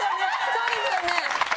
そうですよね！